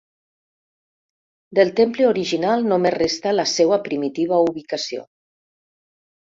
Del temple original només resta la seua primitiva ubicació.